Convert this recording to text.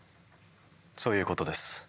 そういうことです。